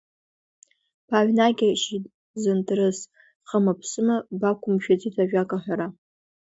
Бааҩнагьежьит зынҭрыс, хыма-ԥсыма, бақәымшәаӡеит ажәак аҳәара.